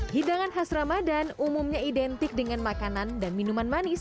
hidangan khas ramadan umumnya identik dengan makanan dan minuman manis